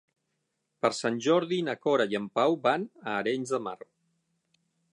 Per Sant Jordi na Cora i en Pau van a Arenys de Mar.